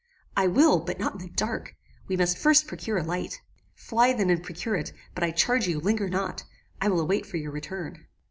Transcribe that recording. "I will, but not in the dark. We must first procure a light." "Fly then and procure it; but I charge you, linger not. I will await for your return.